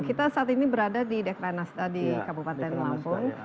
kita saat ini berada di dekre nasda di kabupaten lampung